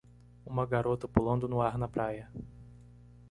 Uma garota pulando no ar na praia.